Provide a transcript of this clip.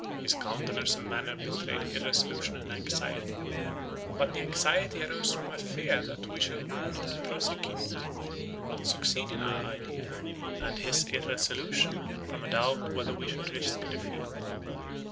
His countenance and manner betrayed irresolution and anxiety; but the anxiety arose from a fear that we should not prosecute, or not succeed in our idea; and his irresolution, from a doubt whether we should risk a defeat.